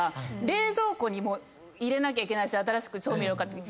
冷蔵庫にも入れなきゃいけないし新しく調味料買ってきて。